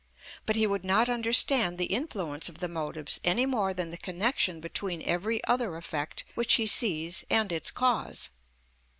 But he would not understand the influence of the motives any more than the connection between every other effect which he sees and its cause.